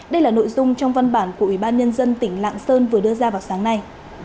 đây là nội dung trong văn bản của ủy ban nhân dân tỉnh lạng sơn vừa đưa ra vào sáng nay